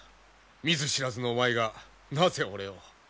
見ず知らずのお前がなぜ俺を？